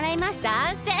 さんせい！